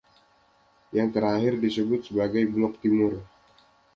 Yang terakhir disebut sebagai "Blok Timur".